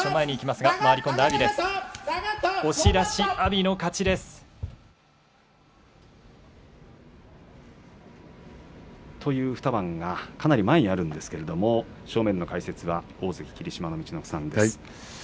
この２番がかなり前にあるんですけれども正面の解説は大関霧島の陸奥さんです。